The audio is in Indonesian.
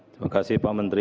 terima kasih pak menteri